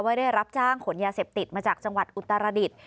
ได้รับจ้างขนยาเสพติดมาจากจังหวัดอุตรดิษฐ์